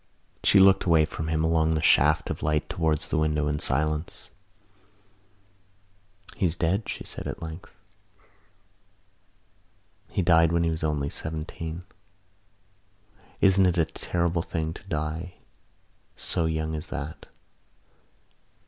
She looked away from him along the shaft of light towards the window in silence. "He is dead," she said at length. "He died when he was only seventeen. Isn't it a terrible thing to die so young as that?"